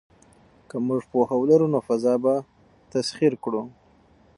که موږ پوهه ولرو نو فضا به تسخیر کړو.